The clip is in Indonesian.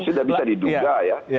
sudah bisa diduga ya